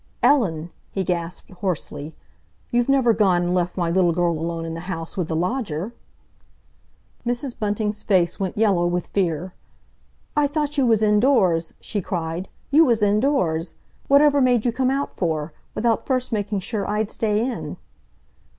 "Ellen!" he gasped hoarsely, "you've never gone and left my little girl alone in the house with the lodger?" Mrs. Bunting's face went yellow with fear. "I thought you was indoors," she cried. "You was indoors! Whatever made you come out for, without first making sure I'd stay in?"